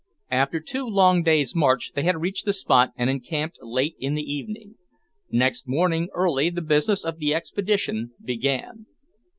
After two long days' march they had reached the spot, and encamped late in the evening. Next morning early the business of the expedition began.